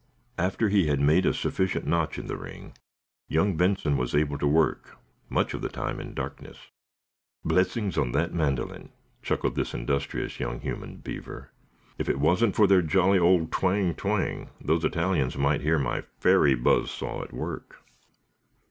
After he had made a sufficient notch in the ring, young Benson was able to work, much of the time, in darkness. "Blessings on that mandolin," chuckled this industrious young human beaver. "If it wasn't for their jolly old twang twang those Italians might hear my fairy buzz saw at work."